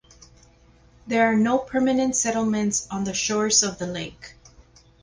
There are no permanent settlements on the shores of the lake.